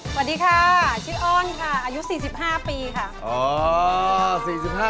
สวัสดีค่ะชื่ออ้อนค่ะอายุ๔๕ปีค่ะ